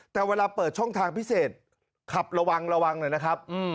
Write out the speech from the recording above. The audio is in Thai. แต่เวลาเปิดช่องทางพิเศษขับระวังหละนะครับอืม